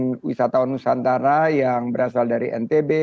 berasal dari nusantara berasal dari ntb berasal dari ntb berasal dari ntb berasal dari ntb